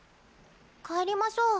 帰りましょう。